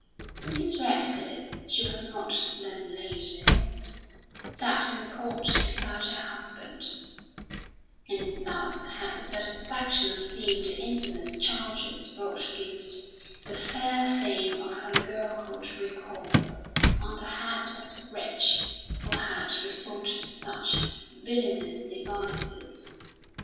Mrs. Radcliffe (she was not then Lady) sat in court beside her husband, and thus had the satisfaction of seeing the infamous charges brought against the fair fame of her girlhood recoil on the head of the wretch who had resorted to such villainous devices.